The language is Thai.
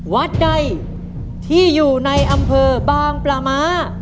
วัดใดที่อยู่ในอำเภอบางปลาม้า